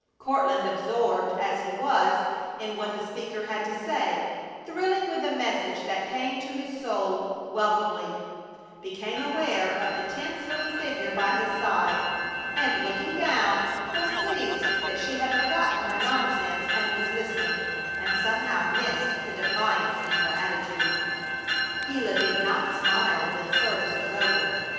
Courtland, absorbed as he was in what the speaker had to say, thrilling with the message that came to his soul welcomely, became aware of the tense little figure by his side, and, looking down, was pleased that she had forgotten her nonsense and was listening, and somehow missed the defiance in her attitude. Gila did not smile when service was over.